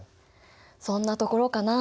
そんなところかな。